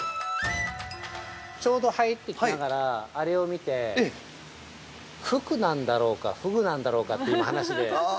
◆ちょうど入ってきながらあれを見て「ふく」なんだろうか「ふぐ」なんだろうかって話で。